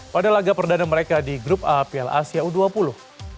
pada laga perdana mereka di grup a piala asia u dua puluh